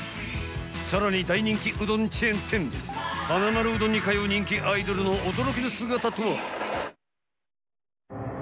更に大人気うどんチェーン店はなまるうどんに通う人気アイドルの驚きの姿とは。